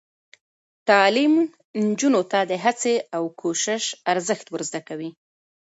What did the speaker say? تعلیم نجونو ته د هڅې او کوشش ارزښت ور زده کوي.